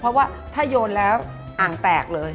เพราะว่าถ้าโยนแล้วอ่างแตกเลย